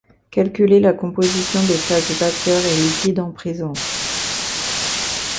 Calculer la composition des phases vapeur et liquide en présence.